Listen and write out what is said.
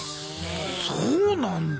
そうなんだ。